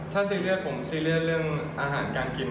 ถ้าซีเรียสผมซีเรียสเรื่องอาหารการกิน